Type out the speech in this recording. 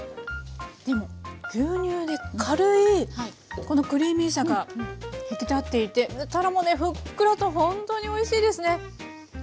でも牛乳で軽いこのクリーミーさが引き立っていてたらもねふっくらとほんとにおいしいですね！